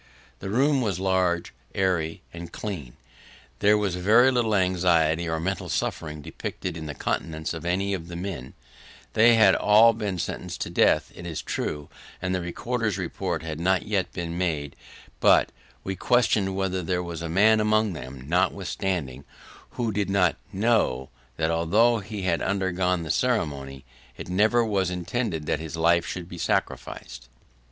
The room was large, airy, and clean. There was very little anxiety or mental suffering depicted in the countenance of any of the men; they had all been sentenced to death, it is true, and the recorder's report had not yet been made; but, we question whether there was a man among them, notwithstanding, who did not KNOW that although he had undergone the ceremony, it never was intended that his life should be sacrificed.